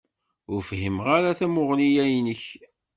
Ur fhimeɣ ara tamuɣli-ya-inek.